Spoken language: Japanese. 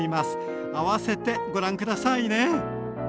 併せてご覧下さいね。